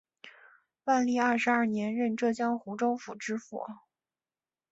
万历二十二年任浙江湖州府知府。